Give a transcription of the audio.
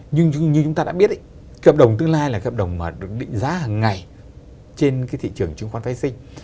nhưng như chúng ta đã biết hợp đồng tương lai là hợp đồng mà được định giá hàng ngày trên cái thị trường chứng khoán phái sinh